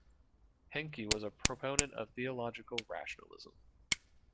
Henke was a proponent of theological rationalism.